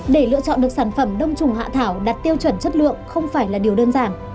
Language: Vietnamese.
để lựa chọn được sản phẩm đông trùng hạ thảo đạt tiêu chuẩn chất lượng không phải là điều đơn giản